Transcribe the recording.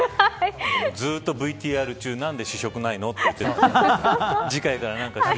ずっとＶＴＲ中何で試食ないので言ってた。